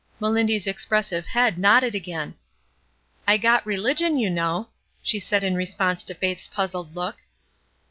Melindy's expressive head nodded again. "I got reUgion, you know," she said in re sponse to Faith's puzzled look.